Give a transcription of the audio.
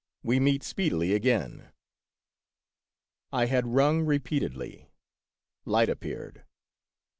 We meet speedily again !" I had rung repeatedly ; light appeared.